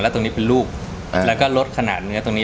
ตรงนี้เป็นลูกแล้วก็ลดขนาดเนื้อตรงนี้